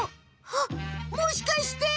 あっもしかして！